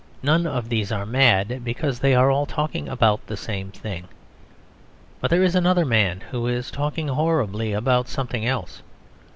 None of these are mad, because they are all talking about the same thing. But there is another man who is talking horribly about something else.